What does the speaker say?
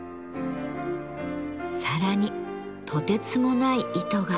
さらにとてつもない糸が。